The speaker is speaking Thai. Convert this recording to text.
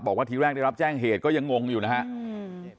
บอกว่าทีแรกได้รับแจ้งเหตุก็ยังงงอยู่นะฮะ